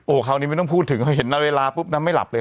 โอ้คันนี้ไม่ต้องพูดถึงเพราะเห็นเวลานะไม่หลับเลย